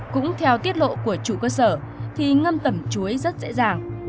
cũng theo tiết lộ của chủ cơ sở thì ngâm tẩm chuối rất dễ dàng